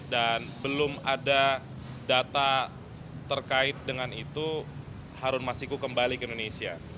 dan belum ada data terkait dengan itu harun masyikwu kembali ke indonesia